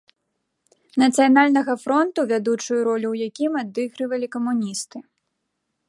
Нацыянальнага фронту, вядучую ролю ў якім адыгрывалі камуністы.